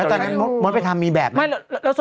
แล้วตอนนั้นหมอไปทำเลยมีแบบล่ะ